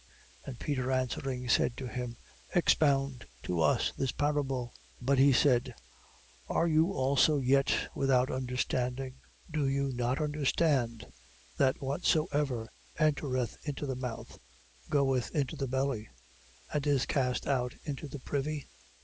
15:15. And Peter answering, said to him: Expound to us this parable. 15:16. But he said: Are you also yet without understanding? 15:17. Do you not understand, that whatsoever entereth into the mouth, goeth into the belly, and is cast out into the privy?